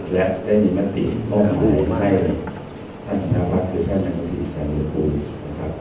และได้มินติต้องรู้ให้ท่านธาวะคือท่านแม่งดีฉันหรือคุณ